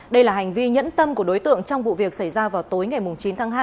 đây là hành vi nhẫn tâm của đối tượng trong vụ việc xảy ra vào tối ngày chín tháng hai